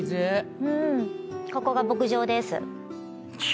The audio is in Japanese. ここが牧場です。